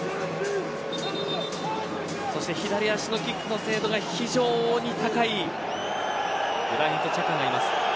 そして左足のキックの精度が非常に高いグラニト・チャカがいます。